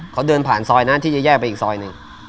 เขาเดินผ่านซอยนะที่จะแยกไปอีกซอยหนึ่ง